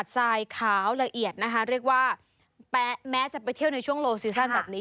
สายขาวละเอียดนะคะเรียกว่าแม้จะไปเที่ยวในช่วงโลซีซั่นแบบนี้